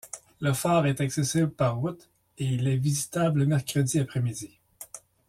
Le phare est accessible par route et il est visitable le mercredi après-midi.